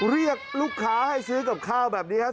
เรียกลูกค้าให้ซื้อกับข้าวแบบนี้ครับ